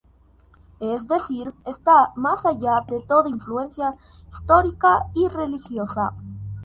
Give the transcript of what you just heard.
Es decir, está más allá de toda influencia histórica y religiosa.